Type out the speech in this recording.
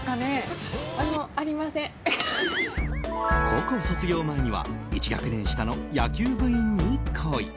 高校卒業前には１学年下の野球部員に恋。